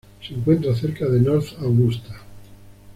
Se encuentra cerca de North Augusta.